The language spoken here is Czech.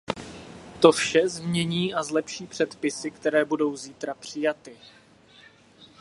To vše změní a zlepší předpisy, které budou zítra přijaty.